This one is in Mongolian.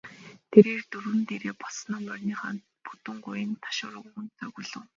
Тэрээр дөрөөн дээрээ боссоноо мориныхоо бүдүүн гуянд ташуур өгөн цогиулав.